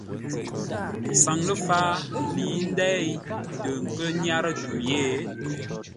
Saŋ ləfǎa lə̌i ndéi tə nkə́ nyárə́ tû yé.